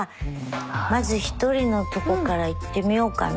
まず１人のとこから行ってみようかの。